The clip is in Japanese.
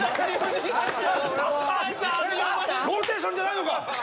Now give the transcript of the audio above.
「ローテーションじゃないのか？」